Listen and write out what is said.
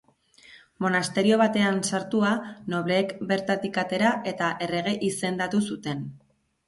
Monasterio batean sartua, nobleek bertatik atera eta errege izendatu zuten.